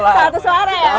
satu suara ya